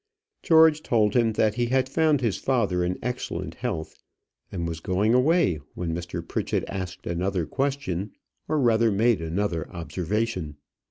George told him that he had found his father in excellent health, and was going away, when Mr. Pritchett asked another question, or rather made another observation.